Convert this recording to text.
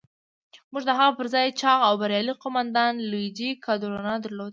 موږ د هغه پر ځای چاغ او بریالی قوماندان لويجي کادورنا درلود.